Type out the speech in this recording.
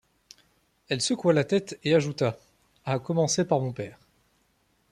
Elle secoua la tête et ajouta: — À commencer par mon père.